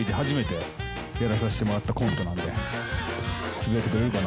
つぶやいてくれるかな？